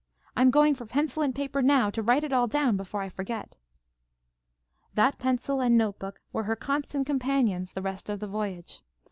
I'm going for pencil and paper now, to write it all down before I forget." That pencil and note book were her constant companions the rest of the voyage.